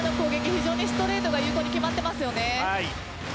非常にストレートが有効に決まっていますよね。